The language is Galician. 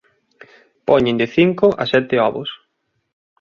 Poñen de cinco a sete ovos.